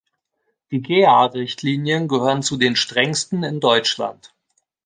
Die Gäa-Richtlinien gehören zu den strengsten in Deutschland.